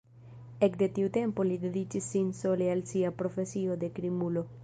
Ekde tiu tempo li dediĉis sin sole al sia „profesio“ de krimulo.